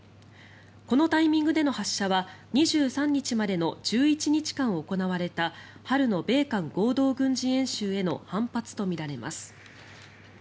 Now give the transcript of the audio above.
このタイミングでの発射は２３日までの１１日間行われた春の米韓合同軍事演習への反発とみられます。